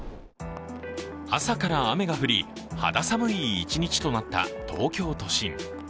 朝から雨が降り、肌寒い一日となった東京都心。